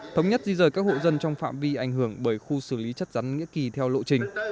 thống nhất di rời các hộ dân trong phạm vi ảnh hưởng bởi khu xử lý chất rắn nghĩa kỳ theo lộ trình